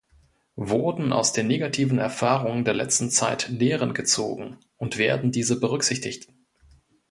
Wurden aus den negativen Erfahrungen der letzten Zeit Lehren gezogen und werden diese berücksichtigt?